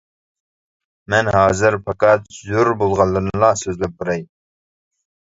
مەن ھازىر پەقەت زۆرۈر بولغانلىرىنىلا سۆزلەپ بېرەي.